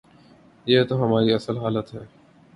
یہ تو ہماری اصل حالت ہے۔